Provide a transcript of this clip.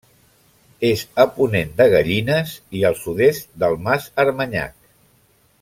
És a ponent de Gallines i al sud-est del Mas Armanyac.